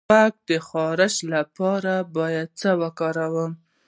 د غوږ د خارش لپاره باید څه وکاروم؟